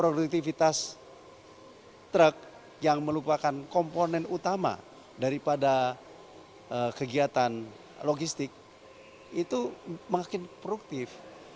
produktivitas truk yang merupakan komponen utama daripada kegiatan logistik itu makin produktif